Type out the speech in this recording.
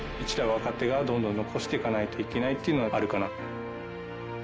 ちら若手がどんどん残していかないといけないっていうのはあるかな。